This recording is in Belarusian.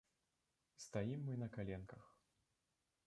Стаім мы на каленках.